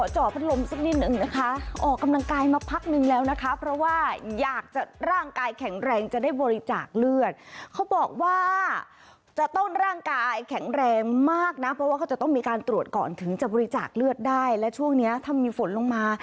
จะบริจาคเลือดได้และช่วงนี้ถ้ามีฝนลงมา